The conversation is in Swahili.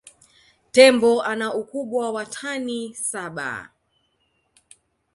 Tembo ana ukubwa wa tani saba